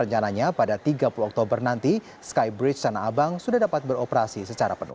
rencananya pada tiga puluh oktober nanti skybridge tanah abang sudah dapat beroperasi secara penuh